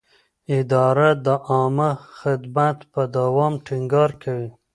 اداره د عامه خدمت پر دوام ټینګار کوي.